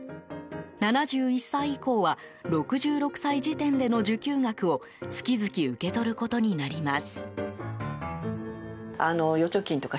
７１歳以降は６６歳時点での受給額を月々受け取ることになります。